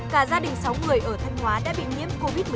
cả gia đình sáu người ở thanh hóa đã bị nhiễm covid một mươi chín